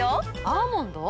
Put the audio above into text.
アーモンド？